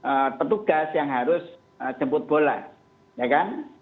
tetap ada yang harus bertugas yang harus jemput bola ya kan